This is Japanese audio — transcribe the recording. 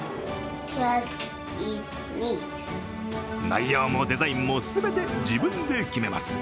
内容もデザインも全て自分で決めます。